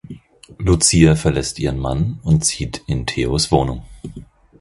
Lucia verlässt ihren Mann und zieht in Theos Wohnung.